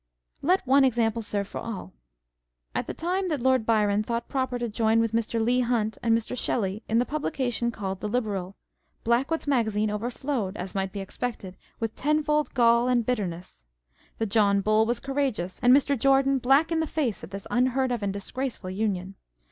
Let one example serve for all. At the time that Lord Byron thought proper to join with Mr. Leigh Hunt and Mr. Shelley in the publication called the Liberal, Blackwood's Magazine overflowed, as might be expected, with tenfold gall and bitterness ; the John Bull was outrageous ; and Mr. Jordan black in the face at this unheard of and disgraceful union.